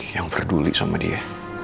yang peduli sama dia